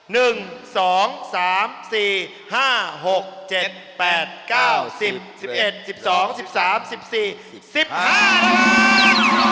ระวัง